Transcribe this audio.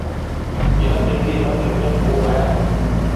Ìna pēŋge i maɓɛ̌m nyɛ i ikòo wɛ̌ɛ!